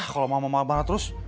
kalau mama males banget terus